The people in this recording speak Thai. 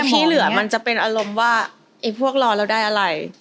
ที่เหลือมันจะเป็นอารมณ์ว่าไอ้พวกรอเราได้อะไร